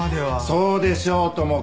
そうでしょうとも。